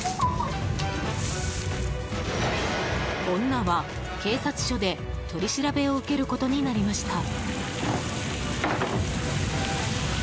女は警察署で、取り調べを受けることになりました。